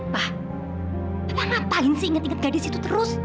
pa papa ngapain sih ingat ingat gadis itu terus